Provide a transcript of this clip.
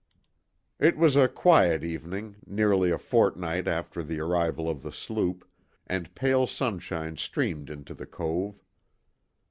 It was a quiet evening, nearly a fortnight after the arrival of the sloop, and pale sunshine streamed into the cove.